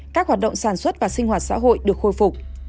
các hoạt động sản xuất và sinh hoạt xã hội được khôi phục